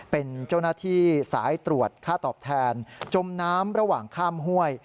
เป็นเจ้าหน้าที่สายตรวจค่าตอบแทนจมน้ำระหว่างข้ามห้วย